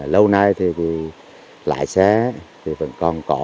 lâu nay thì lại xé vẫn còn có